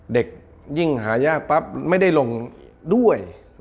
เด็กยิ่งหายากปั๊บไม่ได้ลงด้วย